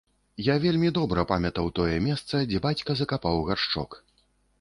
Я вельмі добра памятаў тое месца, дзе бацька закапаў гаршчок.